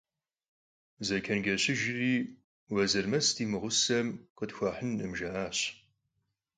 Zeçenceşıjjri «Vuezırmec di mığuseme, – khıtxuehınkhım», – jja'aş.